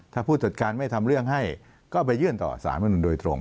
ถ้าผู้จัดการไม่ทำเรื่องให้ก็ไปยื่นต่อสารมนุนโดยตรง